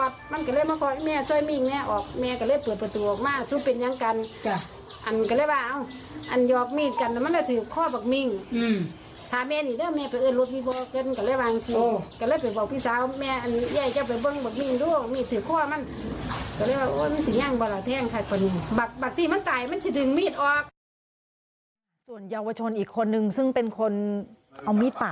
ส่วนเยาวชนอีกคนนึงซึ่งเป็นคนเอามีดไป